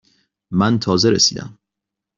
من تازه رسیده ام.